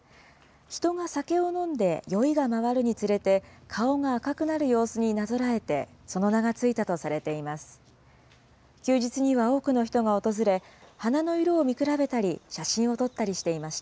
人が酒を飲んで酔いが回るにつれて、顔が赤くなる様子になぞらえて、その名が付いたとされています。